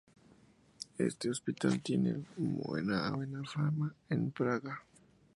Este hospital tiene muy buena fama en "Praga".